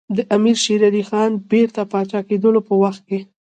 د امیر شېر علي خان بیرته پاچا کېدلو په وخت.